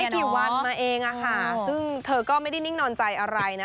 กี่วันมาเองอะค่ะซึ่งเธอก็ไม่ได้นิ่งนอนใจอะไรนะ